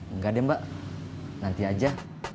enggak deh mbak nanti aja